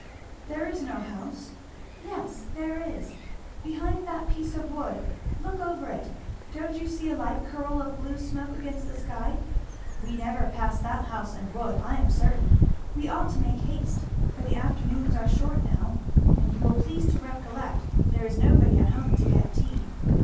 "There is no house " "Yes there is behind that piece of wood. Look over it don't you see a light curl of blue smoke against the sky? We never passed that house and wood, I am certain. We ought to make haste, for the afternoons are short now, and you will please to recollect there is nobody at home to get tea."